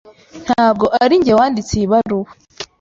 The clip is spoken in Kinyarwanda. Ntabwo ari njye wanditse iyi baruwa.